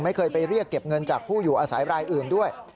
ไม่เคยไปเรียกเก็บเงินจากผู้อยู่อาศัยรายอื่นด้วย